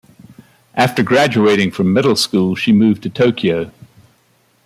After graduating from middle school, she moved to Tokyo.